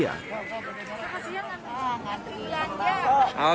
apa yang anda lakukan